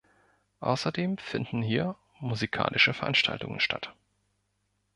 Außerdem finden hier musikalische Veranstaltungen statt.